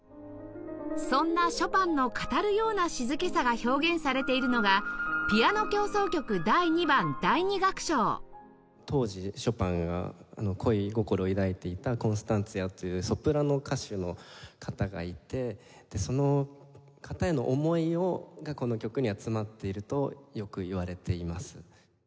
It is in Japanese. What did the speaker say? そんなショパンの語るような静けさが表現されているのが当時ショパンが恋心を抱いていたコンスタンツヤというソプラノ歌手の方がいてその方への思いがこの曲には詰まっているとよくいわれています。